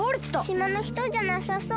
しまのひとじゃなさそう。